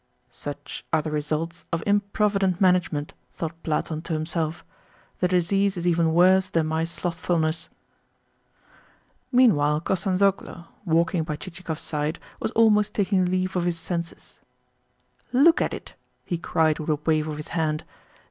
"Such are the results of improvident management!" thought Platon to himself. "The disease is even worse than my slothfulness." Meanwhile Kostanzhoglo, walking by Chichikov's side, was almost taking leave of his senses. "Look at it!" he cried with a wave of his hand.